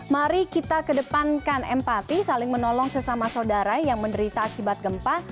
mari kita kedepankan empati saling menolong sesama saudara yang menderita akibat gempa